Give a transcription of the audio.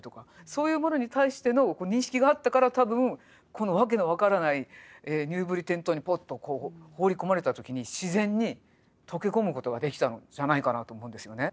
そういうものに対しての認識があったから多分この訳の分からないニューブリテン島にぽっと放り込まれた時に自然に溶け込むことができたのじゃないかなと思うんですよね。